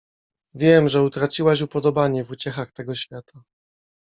— Wiem, że utraciłaś upodobanie w uciechach tego świata.